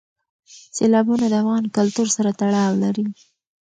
سیلابونه د افغان کلتور سره تړاو لري.